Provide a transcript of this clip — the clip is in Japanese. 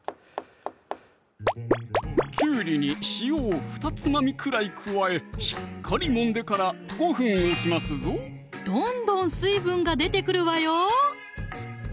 きゅうりに塩をふたつまみくらい加えしっかりもんでから５分おきますぞどんどん水分が出てくるわよ